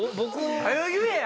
早言えや！